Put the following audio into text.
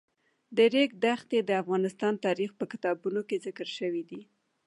د ریګ دښتې د افغان تاریخ په کتابونو کې ذکر شوی دي.